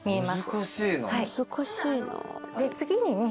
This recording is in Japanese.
難しいな。